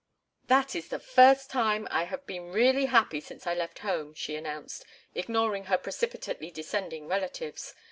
"That is the first time I have been really happy since I left home," she announced, ignoring her precipitately descending relatives.